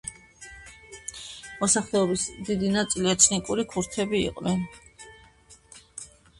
მოსახლეობის დიდი ნაწილი ეთნიკური ქურთები იყვნენ.